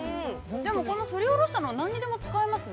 でも、この擦りおろしたの何にでも使えますね。